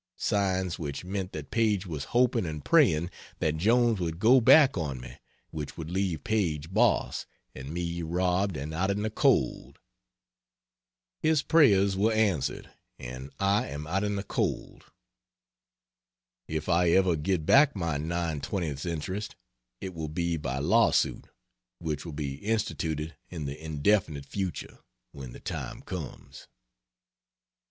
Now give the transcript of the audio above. Signs which meant that Paige was hoping and praying that Jones would go back on me which would leave Paige boss, and me robbed and out in the cold. His prayers were answered, and I am out in the cold. If I ever get back my nine twentieths interest, it will be by law suit which will be instituted in the indefinite future, when the time comes.